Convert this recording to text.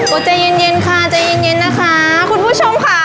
ใจเย็นค่ะใจเย็นนะคะคุณผู้ชมค่ะ